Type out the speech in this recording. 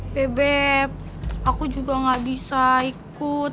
bebek aku juga gak bisa ikut